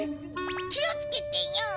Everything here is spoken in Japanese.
気をつけてよ。